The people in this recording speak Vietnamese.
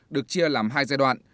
được chia làm hai giai đoạn